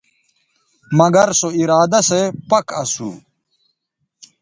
مگر سو ارادہ سو پَک اسو